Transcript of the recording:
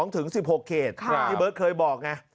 ๑๖เขตที่เบิร์ตเคยบอกไง